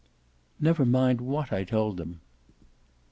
"Never mind what I told them."